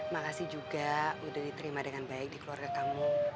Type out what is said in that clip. makasih juga udah diterima dengan baik di keluarga kamu